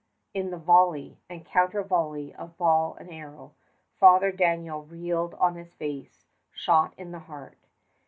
In the volley and counter volley of ball and arrow, Father Daniel reeled on his face, shot in the heart.